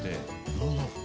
なるほど。